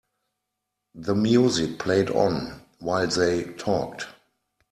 The music played on while they talked.